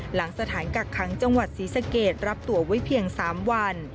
หลังสถานกักขังจังหวัดศรีสะเกดรับตัวไว้เพียง๓วัน